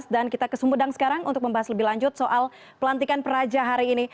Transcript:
dan kita ke sumedang sekarang untuk membahas lebih lanjut soal pelantikan peraja hari ini